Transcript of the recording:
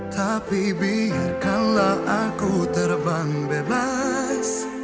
tapi biarkanlah aku terbang bebas